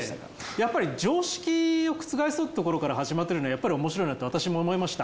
やっぱり常識を覆そうってところから始まってるのやっぱりおもしろいなって私も思いました。